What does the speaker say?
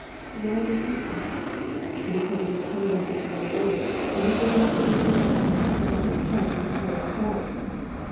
"Why the 'Infant'?" "Because it is a hundred and fifty years old; and because you have to be so careful not to bump its head, when you carry it about."